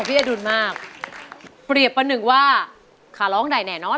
บอกเราว่า